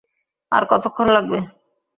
আর কতক্ষণ লাগবে?